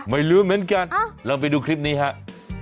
ไม่รู้เหมือนกันลองไปดูคลิปนี้ครับ